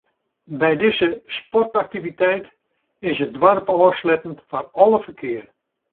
By dizze sportaktiviteit is it doarp ôfsletten foar alle ferkear.